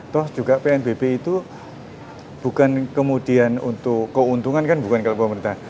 toh juga pnbp itu bukan kemudian untuk keuntungan kan bukan kalau pemerintah